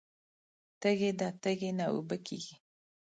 تږې ده تږې نه اوبه کیږي